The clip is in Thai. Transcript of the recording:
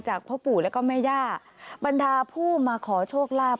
พ่อปู่แล้วก็แม่ย่าบรรดาผู้มาขอโชคลาภ